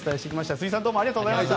辻さんどうもありがとうございました。